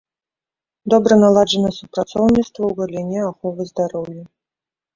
Добра наладжана супрацоўніцтва ў галіне аховы здароўя.